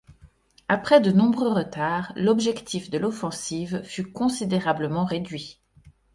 Après de nombreux retards, l'objectif de l'offensive fut considérablement réduit.